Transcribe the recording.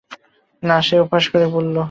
না, সে উপহাস করে বলে।